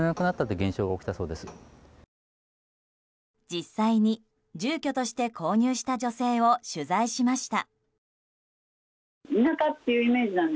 実際に住居として購入した女性を取材しました。